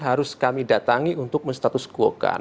harus kami datangi untuk menstatuskuokan